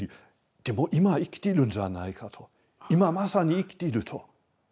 でも今生きてるんじゃないかと。今まさに生きていると。